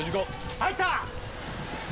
入った！